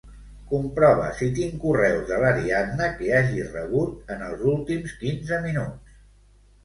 Comprova si tinc correus de l'Ariadna que hagi rebut en els últims quinze minuts.